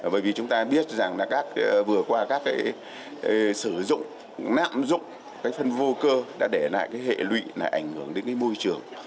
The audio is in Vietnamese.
bởi vì chúng ta biết rằng vừa qua các sử dụng nạm dụng phân vô cơ đã để lại hệ lụy ảnh hưởng đến môi trường